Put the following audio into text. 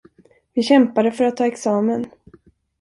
Vi kämpade för att ta examen.